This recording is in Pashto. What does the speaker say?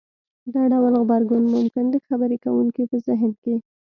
دا ډول غبرګون ممکن د خبرې کوونکي په زهن کې